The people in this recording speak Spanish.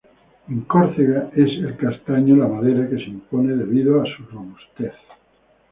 En Córcega, es el castaño la madera que se impone, debido a su robustez.